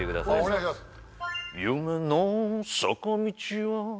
お願いします